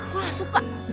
gue gak suka